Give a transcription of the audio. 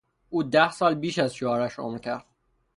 او ده سال بیش از شوهرش عمر کرد.